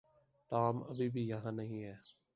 Tom ابھی بھی یہاں نہیں ہے۔